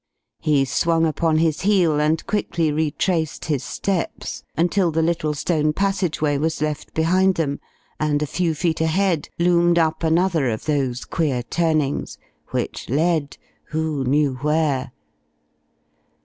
He swung upon his heel and quickly retraced his steps, until the little stone passageway was left behind them, and a few feet ahead loomed up another of those queer turnings, which led who knew where?